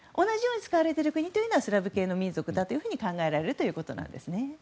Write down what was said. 同じように使われている国はスラブ系の民族だと考えられるということです。